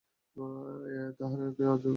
এই তারাহকেই আযরও বলা হত।